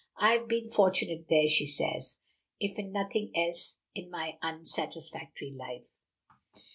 "I have been fortunate there," she says, "if in nothing else in my unsatisfactory life.